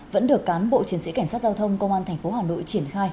vẫn được cán bộ chiến sĩ cảnh sát giao thông công an tp hà nội triển khai